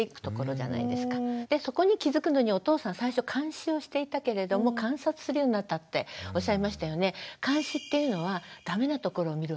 そこに気付くのにお父さん最初監視をしていたけれども観察するようになったっておっしゃいましたよね。